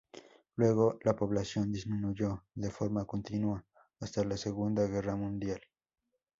Luego la población disminuyó de forma continua hasta la Segunda guerra Mundial.